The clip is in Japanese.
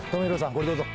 これどうぞ。